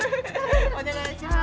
お願いします。